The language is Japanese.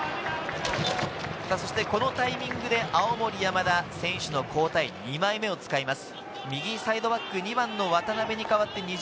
このタイミングで青森山田選手、交代２枚目を使います。